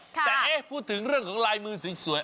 แต่เอ๊ะพูดถึงเรื่องของลายมือสวย